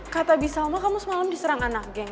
kata bisma kamu semalam diserang anak geng